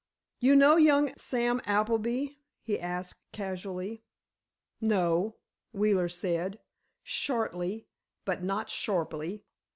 "You know young Sam Appleby?" he asked, casually. "No," Wheeler said, shortly but not sharply.